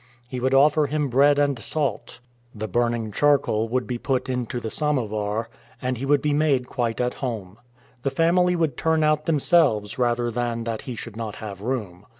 He would offer him bread and salt, the burning charcoal would be put into the "samovar," and he would be made quite at home. The family would turn out themselves rather than that he should not have room.